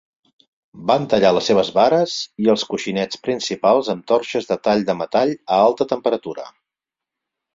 Van tallar les seves vares i els coixinets principals amb torxes de tall de metall a alta temperatura.